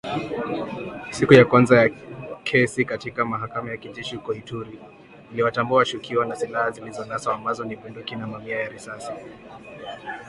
Siku ya kwanza ya kesi katika mahakama ya kijeshi huko Ituri iliwatambua washtakiwa na silaha zilizonaswa ambazo ni bunduki na mamia ya risasi.